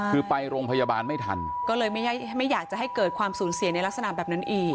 คือไปโรงพยาบาลไม่ทันก็เลยไม่อยากจะให้เกิดความสูญเสียในลักษณะแบบนั้นอีก